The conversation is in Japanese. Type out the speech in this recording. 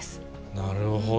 なるほど。